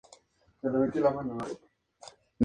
El río tiene un gran uso agrícola para la irrigación.